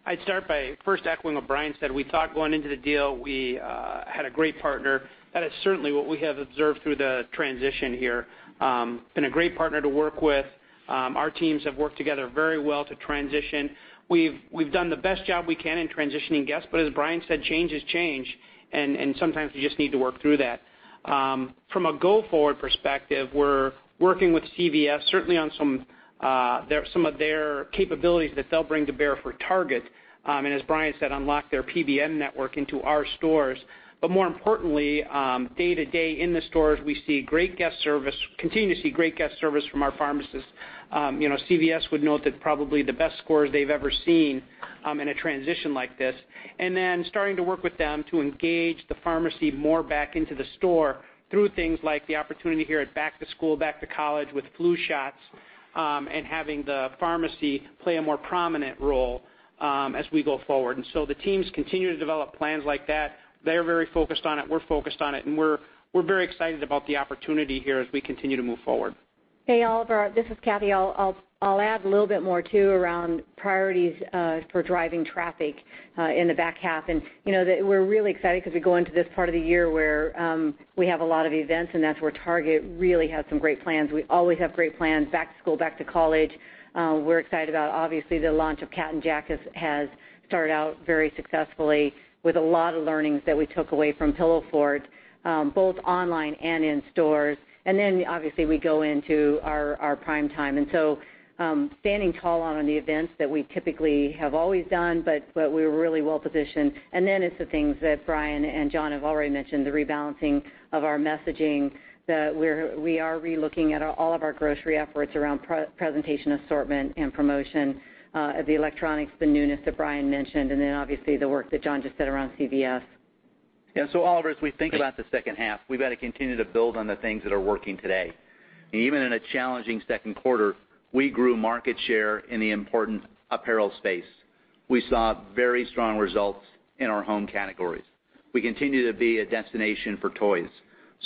I'd start by first echoing what Brian said. We thought going into the deal, we had a great partner. That is certainly what we have observed through the transition here, been a great partner to work with. Our teams have worked together very well to transition. We've done the best job we can in transitioning guests, as Brian said, change is change, and sometimes you just need to work through that. From a go-forward perspective, we're working with CVS certainly on some of their capabilities that they'll bring to bear for Target, as Brian said, unlock their PBM network into our stores. More importantly, day-to-day in the stores, we continue to see great guest service from our pharmacists. CVS would note that probably the best scores they've ever seen in a transition like this. Starting to work with them to engage the pharmacy more back into the store through things like the opportunity here at back to school, back to college with flu shots, and having the pharmacy play a more prominent role as we go forward. The teams continue to develop plans like that. They're very focused on it, we're focused on it, and we're very excited about the opportunity here as we continue to move forward.
Hey, Oliver, this is Cathy. I'll add a little bit more too around priorities for driving traffic in the back half. We're really excited because we go into this part of the year where we have a lot of events, and that's where Target really has some great plans. We always have great plans. Back to school, back to college, we're excited about. Obviously, the launch of Cat & Jack has started out very successfully with a lot of learnings that we took away from Pillowfort, both online and in stores. Obviously, we go into our prime time. Standing tall on the events that we typically have always done, but we're really well-positioned. It's the things that Brian and John have already mentioned, the rebalancing of our messaging, that we are re-looking at all of our grocery efforts around presentation, assortment, and promotion, of the electronics, the newness that Brian mentioned, obviously the work that John just said around CVS.
Yeah. Oliver, as we think about the second half, we've got to continue to build on the things that are working today. Even in a challenging second quarter, we grew market share in the important apparel space. We saw very strong results in our home categories. We continue to be a destination for toys.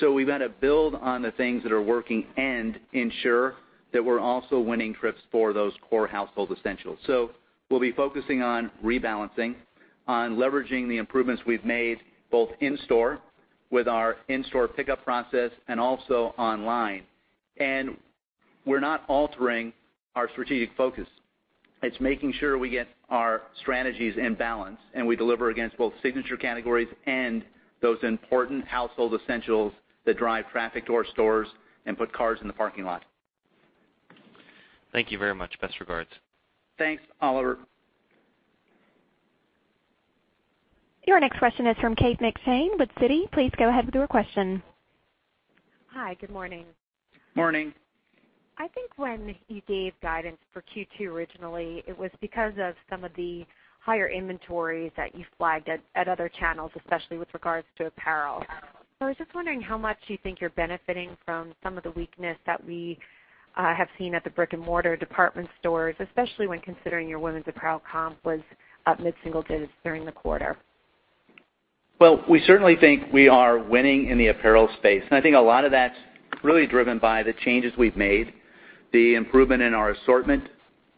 We've got to build on the things that are working and ensure that we're also winning trips for those core household essentials. We'll be focusing on rebalancing, on leveraging the improvements we've made, both in-store with our in-store pickup process and also online. We're not altering our strategic focus. It's making sure we get our strategies in balance, and we deliver against both signature categories and those important household essentials that drive traffic to our stores and put cars in the parking lot.
Thank you very much. Best regards.
Thanks, Oliver.
Your next question is from Kate McShane with Citi. Please go ahead with your question.
Hi. Good morning.
Morning.
I think when you gave guidance for Q2 originally, it was because of some of the higher inventories that you flagged at other channels, especially with regards to apparel. I was just wondering how much you think you're benefiting from some of the weakness that we have seen at the brick-and-mortar department stores, especially when considering your women's apparel comp was up mid-single digits during the quarter.
We certainly think we are winning in the apparel space, and I think a lot of that's really driven by the changes we've made, the improvement in our assortment,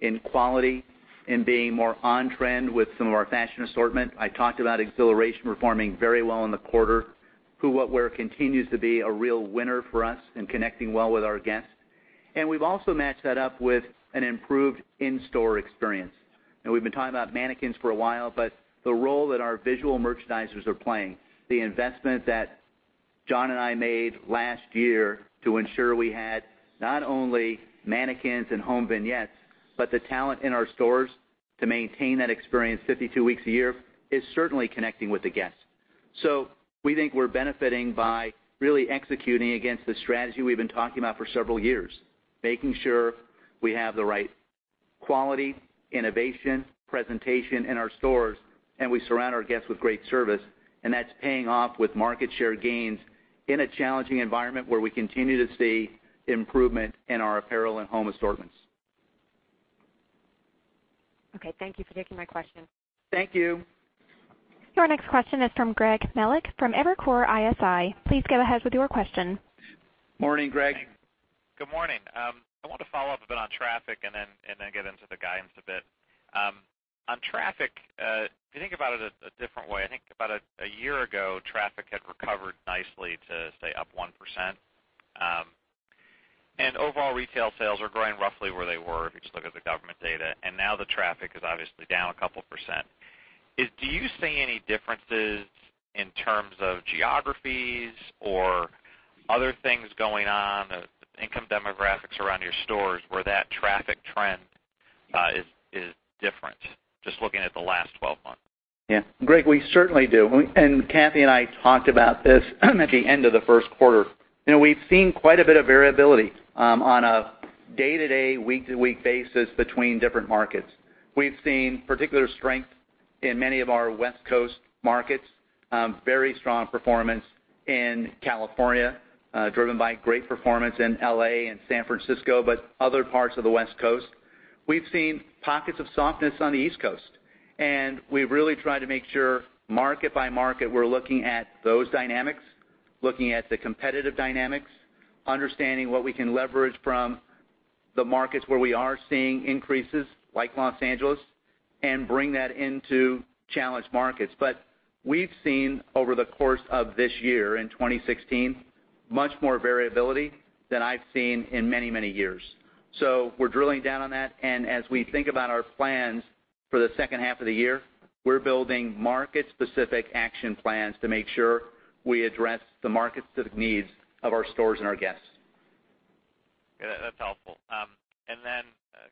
in quality, in being more on-trend with some of our fashion assortment. I talked about Xhilaration performing very well in the quarter. Who What Wear continues to be a real winner for us in connecting well with our guests. We've also matched that up with an improved in-store experience. We've been talking about mannequins for a while, but the role that our visual merchandisers are playing, the investment that John and I made last year to ensure we had not only mannequins and home vignettes, but the talent in our stores to maintain that experience 52 weeks a year, is certainly connecting with the guests. We think we're benefiting by really executing against the strategy we've been talking about for several years, making sure we have the right quality, innovation, presentation in our stores, and we surround our guests with great service, and that's paying off with market share gains in a challenging environment where we continue to see improvement in our apparel and home assortments.
Okay. Thank you for taking my question.
Thank you.
Your next question is from Greg Melich from Evercore ISI. Please go ahead with your question.
Morning, Greg.
Good morning. I wanted to follow up a bit on traffic and then get into the guidance a bit. On traffic, if you think about it a different way, I think about a year ago, traffic had recovered nicely to, say, up 1%. Overall retail sales are growing roughly where they were, if you just look at the government data. Now the traffic is obviously down a couple percent. Do you see any differences in terms of geographies or other things going on, the income demographics around your stores, where that traffic trend is different, just looking at the last 12 months?
Yeah. Greg, we certainly do. Cathy and I talked about this at the end of the first quarter. We've seen quite a bit of variability on a day-to-day, week-to-week basis between different markets. We've seen particular strength in many of our West Coast markets. Very strong performance in California, driven by great performance in L.A. and San Francisco, but other parts of the West Coast. We've seen pockets of softness on the East Coast, and we really try to make sure, market by market, we're looking at those dynamics, looking at the competitive dynamics, understanding what we can leverage from the markets where we are seeing increases, like Los Angeles, and bring that into challenged markets. We've seen, over the course of this year, in 2016, much more variability than I've seen in many, many years. We're drilling down on that, and as we think about our plans for the second half of the year, we're building market-specific action plans to make sure we address the market-specific needs of our stores and our guests.
Yeah, that's helpful. Then,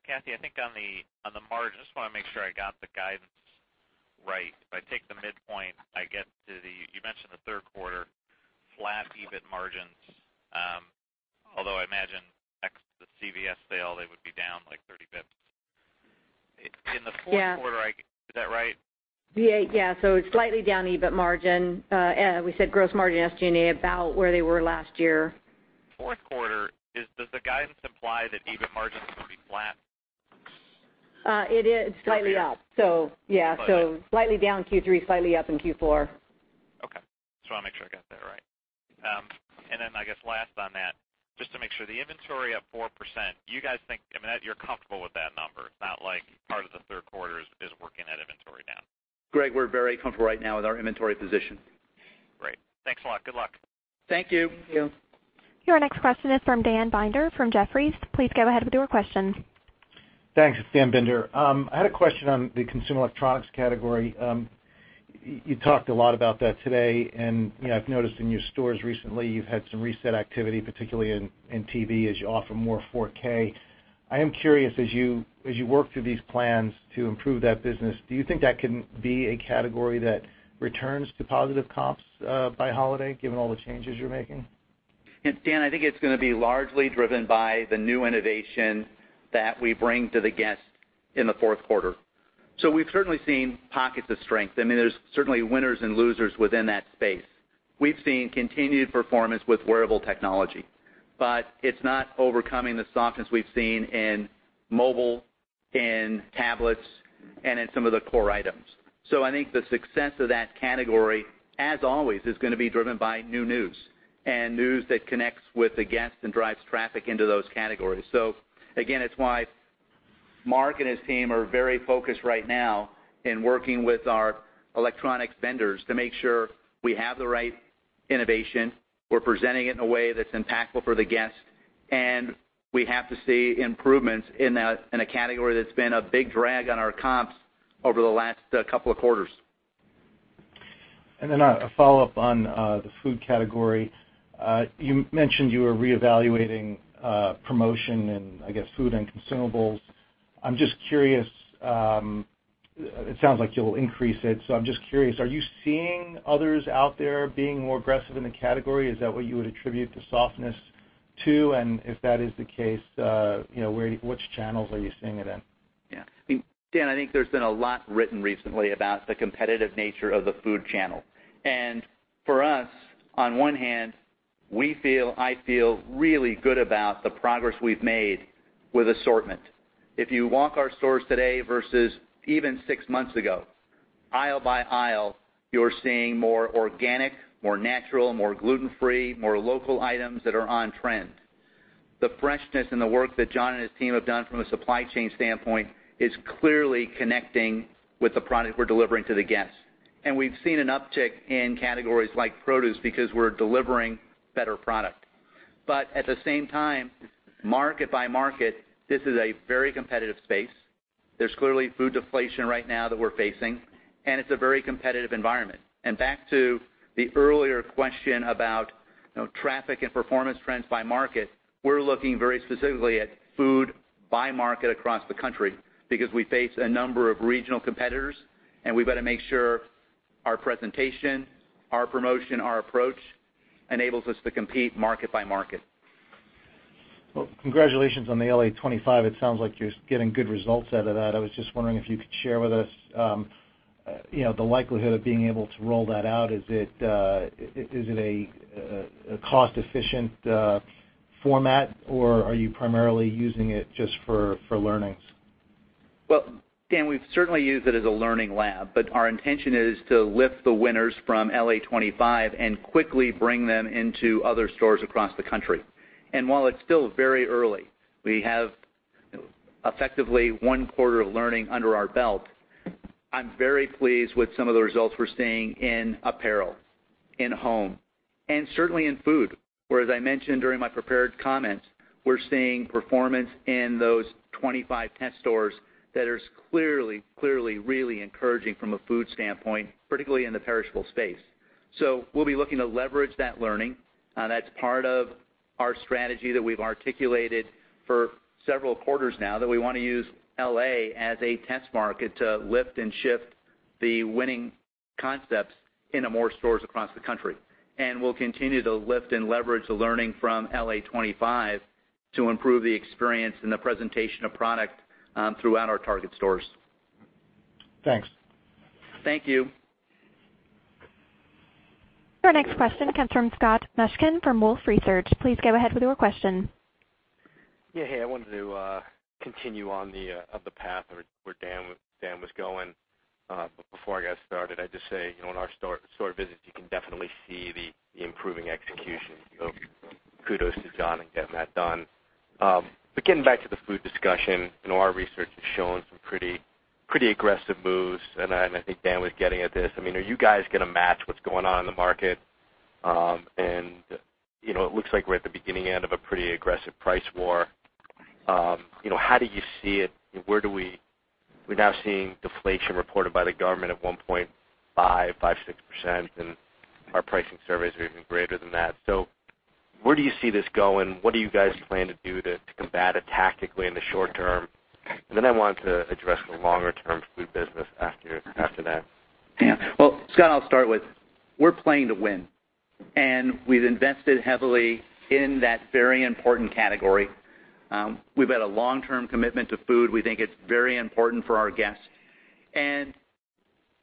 Cathy, I think on the margins, I just want to make sure I got the guidance right. If I take the midpoint, I get to the You mentioned the third quarter, flat EBIT margins. Although I imagine ex the CVS sale, they would be down like 30 basis points.
Yeah.
In the fourth quarter, is that right?
Yeah. Slightly down EBIT margin. We said gross margin, SG&A, about where they were last year.
Fourth quarter, does the guidance imply that EBIT margin is going to be flat?
It is slightly up.
Okay. Got it.
Yeah, so slightly down Q3, slightly up in Q4.
Okay. Just want to make sure I got that right. I guess last on that, just to make sure, the inventory up 4%, you guys think you're comfortable with that number. It's not like part of the third quarter is working that inventory down.
Greg, we're very comfortable right now with our inventory position.
Great. Thanks a lot. Good luck.
Thank you.
Thank you.
Your next question is from Dan Binder from Jefferies. Please go ahead with your question.
Thanks. It's Dan Binder. I had a question on the consumer electronics category. You talked a lot about that today, and I've noticed in your stores recently, you've had some reset activity, particularly in TV, as you offer more 4K. I am curious, as you work through these plans to improve that business, do you think that can be a category that returns to positive comps by holiday, given all the changes you're making?
Dan, I think it's going to be largely driven by the new innovation that we bring to the guest in the fourth quarter. We've certainly seen pockets of strength. There's certainly winners and losers within that space. We've seen continued performance with wearable technology, but it's not overcoming the softness we've seen in mobile, in tablets, and in some of the core items. I think the success of that category, as always, is going to be driven by new news, and news that connects with the guest and drives traffic into those categories. Again, it's why Mark and his team are very focused right now in working with our electronics vendors to make sure we have the right innovation, we're presenting it in a way that's impactful for the guest, and we have to see improvements in a category that's been a big drag on our comps over the last couple of quarters.
A follow-up on the food category. You mentioned you were reevaluating promotion and, I guess, food and consumables. It sounds like you'll increase it. I'm just curious, are you seeing others out there being more aggressive in the category? Is that what you would attribute the softness to? If that is the case, which channels are you seeing it in?
Yeah. Dan, I think there's been a lot written recently about the competitive nature of the food channel. For us, on one hand, I feel really good about the progress we've made with assortment. If you walk our stores today versus even six months ago, aisle by aisle, you're seeing more organic, more natural, more gluten-free, more local items that are on trend. The freshness and the work that John and his team have done from a supply chain standpoint is clearly connecting with the product we're delivering to the guests. We've seen an uptick in categories like produce because we're delivering better product. At the same time, market by market, this is a very competitive space. There's clearly food deflation right now that we're facing, and it's a very competitive environment. Back to the earlier question about traffic and performance trends by market, we're looking very specifically at food by market across the country because we face a number of regional competitors, and we've got to make sure our presentation, our promotion, our approach enables us to compete market by market.
Well, congratulations on the LA25. It sounds like you're getting good results out of that. I was just wondering if you could share with us the likelihood of being able to roll that out. Is it a cost-efficient format, or are you primarily using it just for learnings?
Well, Dan, we've certainly used it as a learning lab, but our intention is to lift the winners from LA25 and quickly bring them into other stores across the country. While it's still very early, we have effectively one quarter of learning under our belt. I'm very pleased with some of the results we're seeing in apparel, in home, and certainly in food, where, as I mentioned during my prepared comments, we're seeing performance in those 25 test stores that is clearly, really encouraging from a food standpoint, particularly in the perishable space. We'll be looking to leverage that learning. That's part of our strategy that we've articulated for several quarters now, that we want to use L.A. as a test market to lift and shift the winning concepts into more stores across the country. We'll continue to lift and leverage the learning from LA25 to improve the experience and the presentation of product throughout our Target stores.
Thanks.
Thank you.
Your next question comes from Scott Mushkin from Wolfe Research. Please go ahead with your question.
Yeah. Hey, I wanted to continue on the path where Dan was going. Before I get started, I'd just say, in our store visits, you can definitely see the improving execution. Kudos to John in getting that done. Getting back to the food discussion, our research has shown some pretty aggressive moves, and I think Dan was getting at this. Are you guys going to match what's going on in the market? It looks like we're at the beginning end of a pretty aggressive price war. How do you see it? We're now seeing deflation reported by the government at 1.5%, 5.6%, and our pricing surveys are even greater than that. Where do you see this going? What do you guys plan to do to combat it tactically in the short term? I wanted to address the longer-term food business after that.
Well, Scott, I'll start with, we're playing to win, and we've invested heavily in that very important category. We've had a long-term commitment to food. We think it's very important for our guests.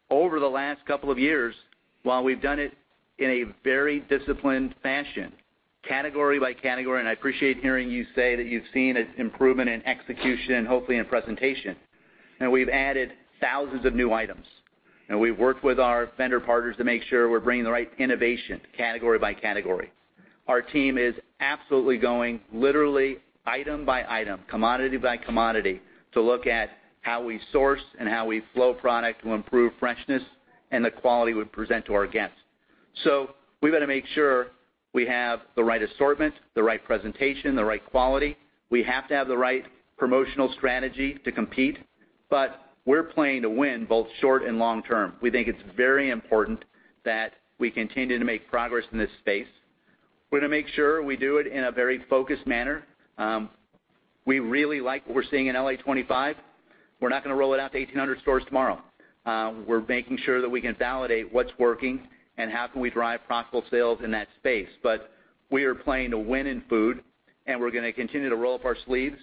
Over the last couple of years, while we've done it in a very disciplined fashion, category by category, I appreciate hearing you say that you've seen an improvement in execution, hopefully in presentation, we've added thousands of new items. We've worked with our vendor partners to make sure we're bringing the right innovation category by category. Our team is absolutely going literally item by item, commodity by commodity, to look at how we source and how we flow product to improve freshness and the quality we present to our guests. We've got to make sure we have the right assortment, the right presentation, the right quality. We have to have the right promotional strategy to compete. We're playing to win both short and long term. We think it's very important that we continue to make progress in this space. We're going to make sure we do it in a very focused manner. We really like what we're seeing in LA25. We're not going to roll it out to 1,800 stores tomorrow. We're making sure that we can validate what's working and how can we drive profitable sales in that space. We are playing to win in food, and we're going to continue to roll up our sleeves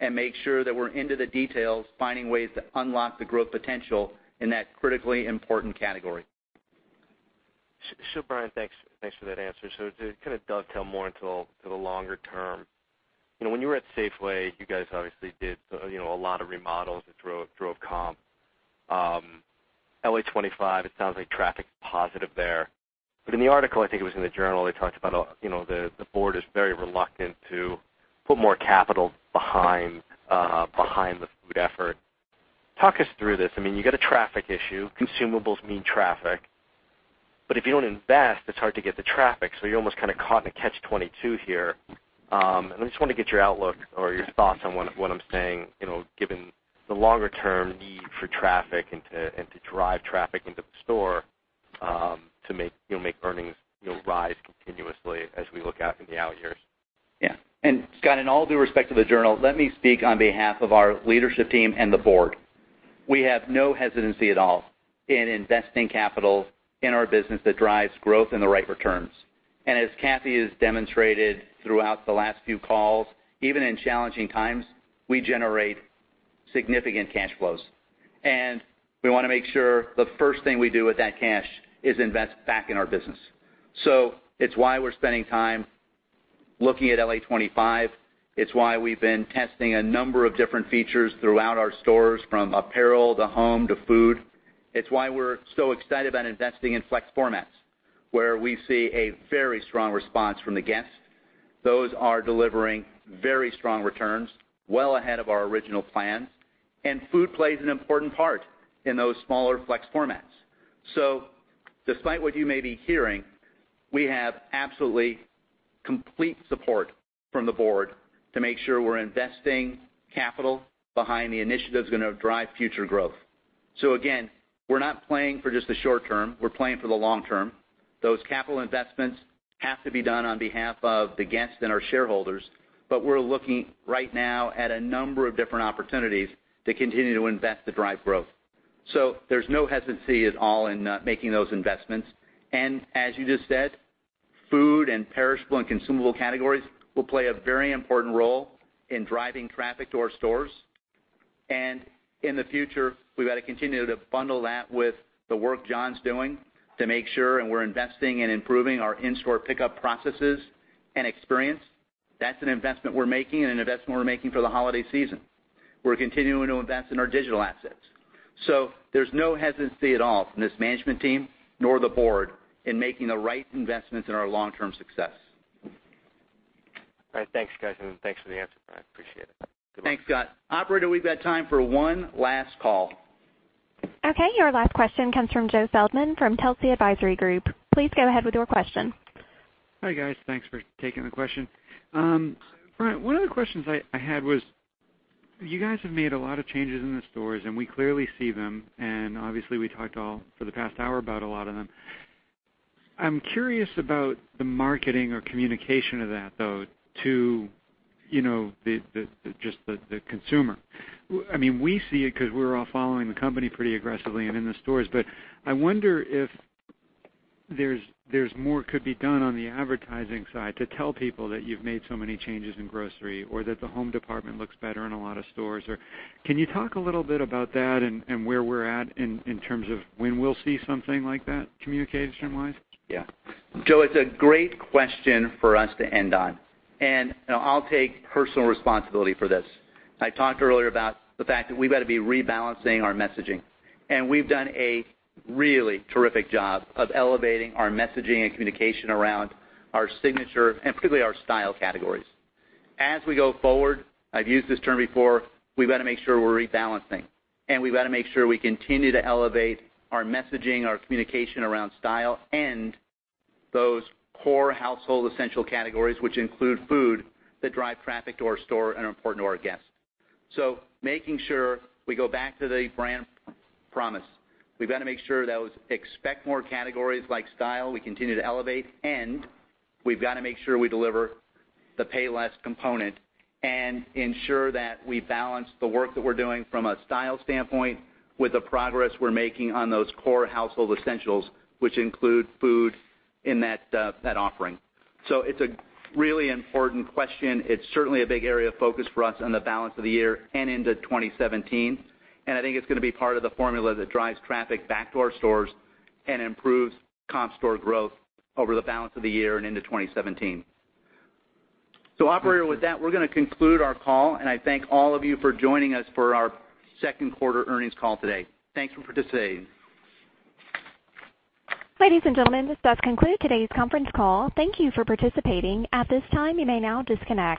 and make sure that we're into the details, finding ways to unlock the growth potential in that critically important category.
Sure, Brian, thanks for that answer. To kind of dovetail more into the longer term. When you were at Safeway, you guys obviously did a lot of remodels that drove comp. LA25, it sounds like traffic's positive there. In the article, I think it was in the Journal, they talked about the board is very reluctant to put more capital behind the food effort. Talk us through this. You got a traffic issue. Consumables mean traffic. If you don't invest, it's hard to get the traffic, so you're almost kind of caught in a catch-22 here. I just want to get your outlook or your thoughts on what I'm saying, given the longer-term need for traffic and to drive traffic into the store to make earnings rise continuously as we look out in the out years.
Yeah. Scott, in all due respect to the Journal, let me speak on behalf of our leadership team and the board. We have no hesitancy at all in investing capital in our business that drives growth and the right returns. As Cathy has demonstrated throughout the last few calls, even in challenging times, we generate significant cash flows. We want to make sure the first thing we do with that cash is invest back in our business. It's why we're spending time looking at LA25. It's why we've been testing a number of different features throughout our stores, from apparel to home to food. It's why we're so excited about investing in flex formats, where we see a very strong response from the guests. Those are delivering very strong returns well ahead of our original plans. Food plays an important part in those smaller flex formats. Despite what you may be hearing, we have absolutely complete support from the board to make sure we're investing capital behind the initiatives that are going to drive future growth. Again, we're not playing for just the short term, we're playing for the long term. Those capital investments have to be done on behalf of the guests and our shareholders, we're looking right now at a number of different opportunities to continue to invest to drive growth. There's no hesitancy at all in making those investments. As you just said, food and perishable and consumable categories will play a very important role in driving traffic to our stores. In the future, we've got to continue to bundle that with the work John's doing to make sure, and we're investing in improving our in-store pickup processes and experience. That's an investment we're making and an investment we're making for the holiday season. We're continuing to invest in our digital assets. There's no hesitancy at all from this management team nor the board in making the right investments in our long-term success.
All right. Thanks, guys, and thanks for the answer, Brian. Appreciate it. Good luck.
Thanks, Scott. Operator, we've got time for one last call.
Your last question comes from Joe Feldman from Telsey Advisory Group. Please go ahead with your question.
Hi, guys. Thanks for taking the question. Brian, one of the questions I had was, you guys have made a lot of changes in the stores, and we clearly see them, and obviously, we talked all for the past hour about a lot of them. I'm curious about the marketing or communication of that, though, to just the consumer. We see it because we're all following the company pretty aggressively and in the stores, I wonder if more could be done on the advertising side to tell people that you've made so many changes in grocery or that the home department looks better in a lot of stores. Can you talk a little bit about that and where we're at in terms of when we'll see something like that communicated timeline?
Yeah. Joe, it's a great question for us to end on, and I'll take personal responsibility for this. I talked earlier about the fact that we've got to be rebalancing our messaging, and we've done a really terrific job of elevating our messaging and communication around our signature and particularly our style categories. As we go forward, I've used this term before, we've got to make sure we're rebalancing, and we've got to make sure we continue to elevate our messaging, our communication around style, and those core household essential categories, which include food, that drive traffic to our store and are important to our guests. Making sure we go back to the brand promise. We've got to make sure those expect-more categories like style, we continue to elevate, and we've got to make sure we deliver the pay less component and ensure that we balance the work that we're doing from a style standpoint with the progress we're making on those core household essentials, which include food in that offering. It's a really important question. It's certainly a big area of focus for us on the balance of the year and into 2017. I think it's going to be part of the formula that drives traffic back to our stores and improves comp store growth over the balance of the year and into 2017. Operator, with that, we're going to conclude our call, and I thank all of you for joining us for our second quarter earnings call today. Thanks for participating.
Ladies and gentlemen, this does conclude today's conference call. Thank you for participating. At this time, you may now disconnect.